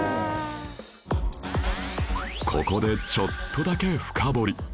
ここでちょっとだけ深掘り